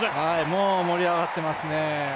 もう盛り上がってますね。